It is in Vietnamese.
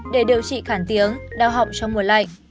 để điều trị khẳng tướng đau họng trong mùa lạnh